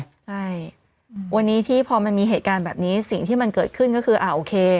ใช่วันนี้ที่พอมันมีเหตุการณ์แบบนี้สิ่งที่มันเกิดขึ้นก็คืออ่าโอเค